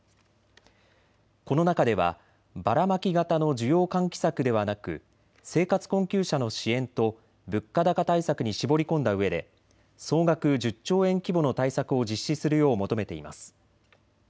この中ではバラマキ型の需要喚起策ではなく生活困窮者の支援と物価高対策に絞り込んだうえで総額１０兆円規模の対策を実施するよう求めています。